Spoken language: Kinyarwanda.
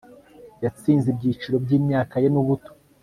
Yatsinze ibyiciro byimyaka ye nubuto